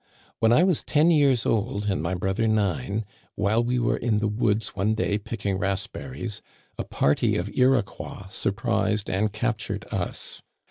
When I was ten years old and my brother nine, while we were in the woods one day picking raspberries a party of Iroquois surprised and captured us.